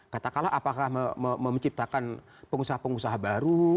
katakanlah apakah menciptakan pengusaha pengusaha baru